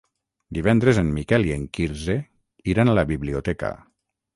Divendres en Miquel i en Quirze iran a la biblioteca.